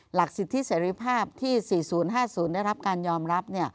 หลักสิทธิเศรษฐภาพที่๔๐ถูกการย่อมรับ